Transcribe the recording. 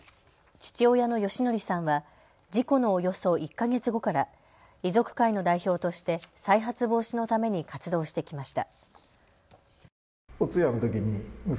父親の義則さんは事故のおよそ１か月後から遺族会の代表として再発防止のために活動してきました。